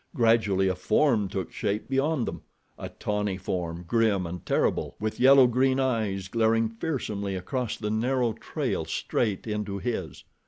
Gradually a form took shape beyond them—a tawny form, grim and terrible, with yellow green eyes glaring fearsomely across the narrow trail straight into his.